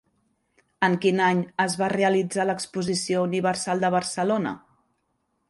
En quin any es va realitzar l'Exposició Universal de Barcelona?